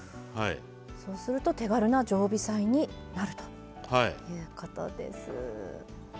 そうすると手軽な常備菜になるということです。